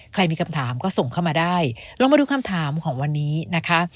มีคำถามก็ส่งเข้ามาได้ลองมาดูคำถามของวันนี้นะคะ